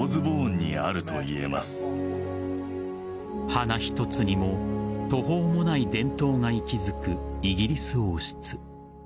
花一つにも途方もない伝統が息づくイギリス王室。